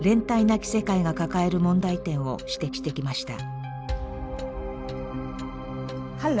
なき世界が抱える問題点を指摘してきました。